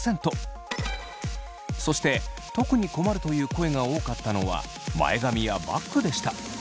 そして特に困るという声が多かったのは前髪やバックでした。